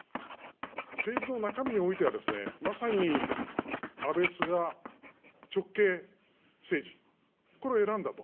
政治の中身においては、まさに安倍・菅直系政治、これを選んだと。